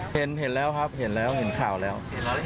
เห็นแล้วครับเห็นแล้วเห็นข่าวแล้ว